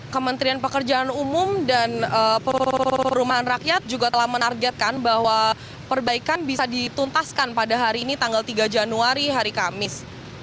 kementerian pekerjaan umum dan perumahan rakyat juga telah menargetkan bahwa perbaikan bisa dituntaskan pada hari ini tanggal tiga januari hari kamis